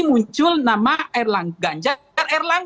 muncul nama erlang ganjar